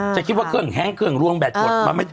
จะคิดว่าเครื่องแห้งเครื่องรวงแบบกด